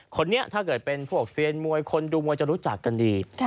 ถ้าเกิดเป็นพวกเซียนมวยคนดูมวยจะรู้จักกันดี